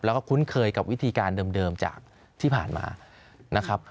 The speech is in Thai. แล้วก็คุ้นเคยกับวิธีการเดิมจากที่ผ่านมานะครับ